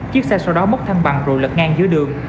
chiếc xe sau đó bốc thăng bằng rồi lật ngang dưới đường